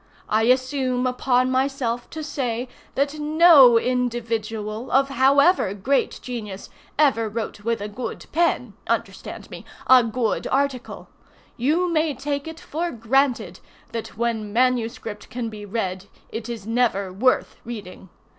I assume upon myself to say, that no individual, of however great genius ever wrote with a good pen—understand me,—a good article. You may take, it for granted, that when manuscript can be read it is never worth reading.